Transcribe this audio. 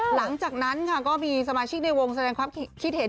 หลังจากนั้นค่ะก็มีสมาชิกในวงแสดงความคิดเห็น